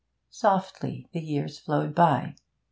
Softly the years flowed by.